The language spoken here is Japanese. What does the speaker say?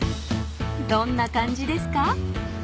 ［どんな感じですか？］